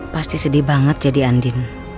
pasti sedih banget jadi andin